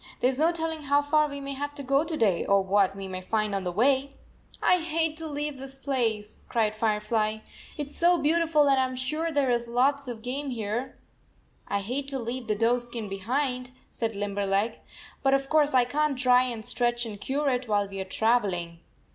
There s no telling how far we may have to go to day, or what we may find on the way." " I hate to leave this place," cried Fire fly, "it s so beautiful, and I am sure there is lots of game here." " I hate to leave the doe skin behind," said Limberleg, " but of course I can t dry and stretch and cure it while we are travel ing."